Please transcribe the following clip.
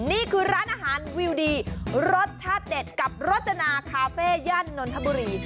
นี่คือร้านอาหารวิวดีรสชาติเด็ดกับรจนาคาเฟ่ย่านนทบุรี